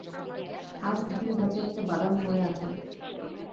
আর সিটের ভাঁজে একটা বাদাম পড়ে আছে।